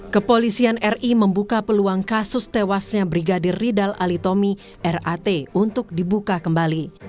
kepolisian ri membuka peluang kasus tewasnya brigadir ridal alitomi rat untuk dibuka kembali